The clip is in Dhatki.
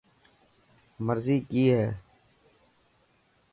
مرضي ڪئي هي؟